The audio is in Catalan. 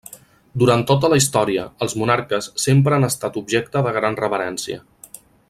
Durant tota la història, els monarques sempre han estat objecte de gran reverència.